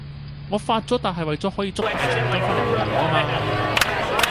我發咗達係為咗可以捉大長今翻來陪我啊嘛!